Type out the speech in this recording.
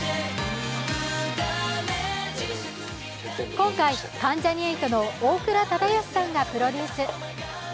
今回、関ジャニ∞の大倉忠義さんがプロデュース。